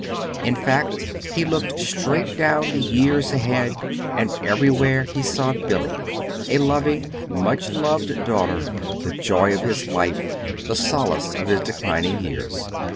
In fancy he looked straight down the years ahead, and everywhere he saw Billy, a loving, much loved daughter, the joy of his life, the solace of his declining years.